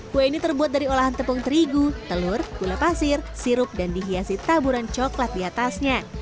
kue ini terbuat dari olahan tepung terigu telur gula pasir sirup dan dihiasi taburan coklat di atasnya